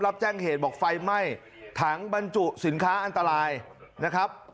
รับแจ้งเหตุบอกไฟไหม้ถังบรรจุสินค้าอันตรายนะครับ